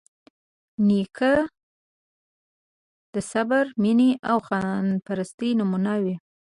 نیکه د صبر، مینې او خدایپرستۍ نمونه وي.